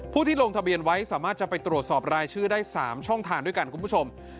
ที่ลงทะเบียนไว้สามารถจะไปตรวจสอบรายชื่อได้๓ช่องทางด้วยกันคุณผู้ชม